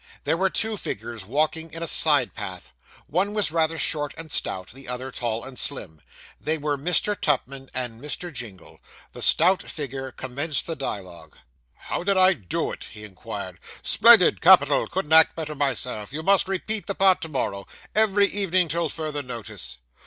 There were two figures walking in a side path; one was rather short and stout; the other tall and slim. They were Mr. Tupman and Mr. Jingle. The stout figure commenced the dialogue. 'How did I do it?' he inquired. 'Splendid capital couldn't act better myself you must repeat the part to morrow every evening till further notice.